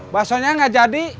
bakso nya gak jadi